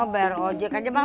bayar ngajak aja bang